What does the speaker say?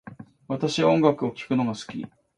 私は音楽を聴くのが好き